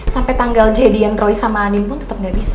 sampai tanggal jadi yang roy sama andin pun tetep gak bisa